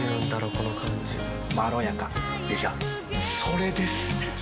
この感じまろやかでしょそれです！